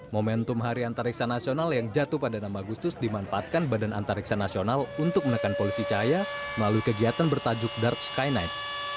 momentum hari antariksa nasional yang jatuh pada enam agustus dimanfaatkan badan antariksa nasional untuk menekan polisi cahaya melalui kegiatan bertajuk dark sky night